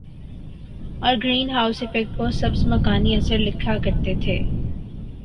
اور greenhouse effect کو سبز مکانی اثر لکھا کرتے تھے